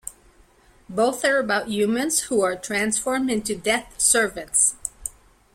Both are about humans who are transformed into Death's servants.